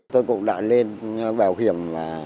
tôi cũng đã lên bảo hiểm